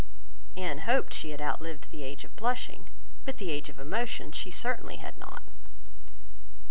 Anne hoped she had outlived the age of blushing; but the age of emotion she certainly had not.